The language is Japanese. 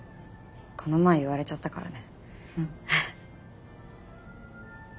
この前言われちゃったからね。